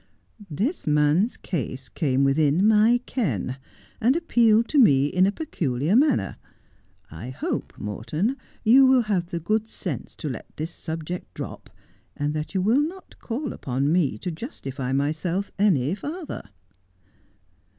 ' This man's case came within my ken, and appealed to me in 128 Just as I Am. a peculiar manner. I hope, Morton, you will hare the good sense to let this subject drop, and that you will not call upon me to justify myself any farther.'